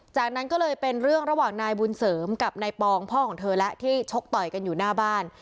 จากนั้นก็เลยเป็นเรื่องระหว่างนายบุญเสริมกับนายปองพ่อของเธอแล้วที่ชกต่อยกันอยู่หน้าบ้าน